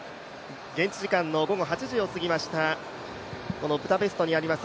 現地時間の午後８時をすぎました、ブダペストにあります